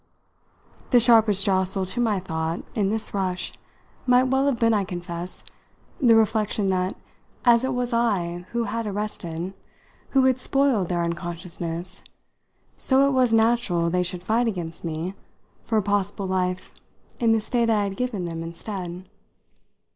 The sharpest jostle to my thought, in this rush, might well have been, I confess, the reflection that as it was I who had arrested, who had spoiled their unconsciousness, so it was natural they should fight against me for a possible life in the state I had given them instead.